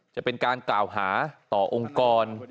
จะเป็นการกล่าวหาต่อองค์กร